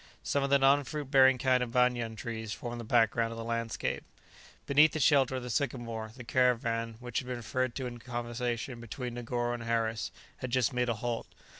Some of the non fruit bearing kind of banyan trees formed the background of the landscape. Beneath the shelter of the sycamore, the caravan which had been referred to in the conversation between Negoro and Harris had just made a halt.